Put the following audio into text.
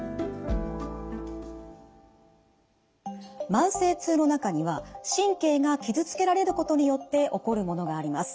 慢性痛の中には神経が傷つけられることによって起こるものがあります。